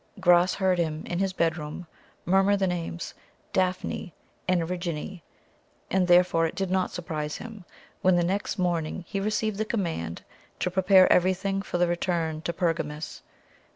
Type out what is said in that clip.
Gras heard him, in his bedroom, murmur the names "Daphne" and "Erigone," and therefore it did not surprise him when, the next morning, he received the command to prepare everything for the return to Pergamus.